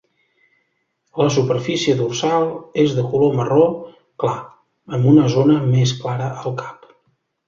La superfície dorsal és de color marró clar, amb una zona més clara al cap.